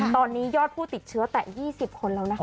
ตอนนี้ยอดผู้ติดเชื้อแตะ๒๐คนแล้วนะคะ